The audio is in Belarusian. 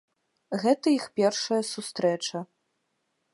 Гэта іх першая сустрэча.